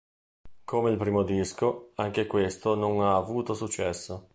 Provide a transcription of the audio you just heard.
Come il primo disco, anche questo non ha avuto successo.